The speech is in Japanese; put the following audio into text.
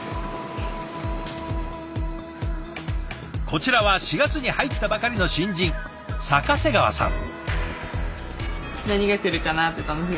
こちらは４月に入ったばかりの新人逆瀬川さん。